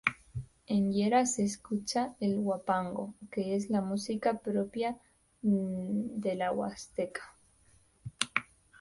En Llera se escucha el huapango, que es la música propia de la huasteca.